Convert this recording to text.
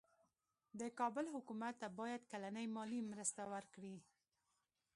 د کابل حکومت ته باید کلنۍ مالي مرسته ورکړي.